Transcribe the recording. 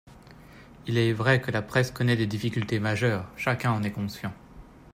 Il est vrai que la presse connaît des difficultés majeures, chacun en est conscient.